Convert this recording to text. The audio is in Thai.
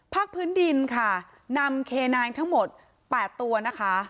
พื้นดินค่ะนำเคนายทั้งหมด๘ตัวนะคะ